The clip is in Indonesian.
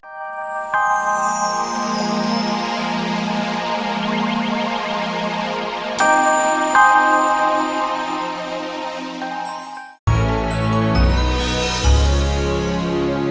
abang akan berbicara